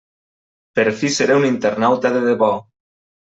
Per fi seré un internauta de debò!